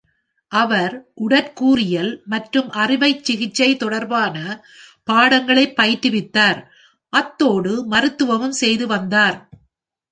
அவர் உடற்கூறியல் மற்றும் அறுவை சிகிச்சை தொடர்பான பாடங்களை பயிற்றுவித்தார், அதோடு மருத்துவமும் செய்து வந்தார்.